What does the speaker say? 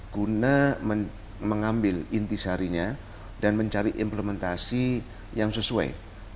guna mengambil intisarinya dan mencari implementasi yang sesuai